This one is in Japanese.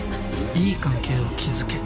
「いい関係を築け」